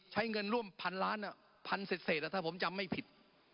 ใช้เงินร่วมพันล้านพันเศษถ้าผมจำไม่ผิด